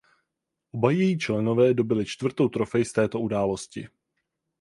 Oba její členové dobyli čtvrtou trofej z této události.